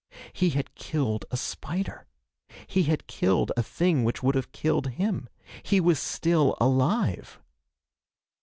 He had killed a spider! He had killed a thing which would have killed him! He was still alive!